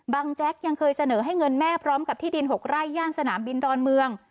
แจ๊กยังเคยเสนอให้เงินแม่พร้อมกับที่ดิน๖ไร่ย่านสนามบินดอนเมือง